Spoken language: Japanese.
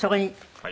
はい。